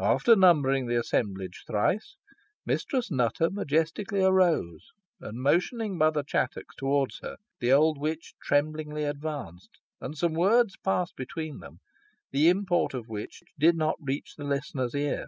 After numbering the assemblage thrice, Mistress Nutter majestically arose, and motioning Mother Chattox towards her, the old witch tremblingly advanced, and some words passed between them, the import of which did not reach the listener's ear.